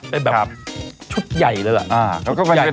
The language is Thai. เป็นแบบชุดใหญ่เลยอะ